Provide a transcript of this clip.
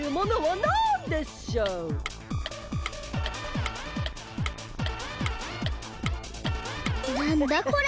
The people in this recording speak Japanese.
なんだこれ！？